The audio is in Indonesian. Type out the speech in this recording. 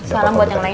salam buat yang lain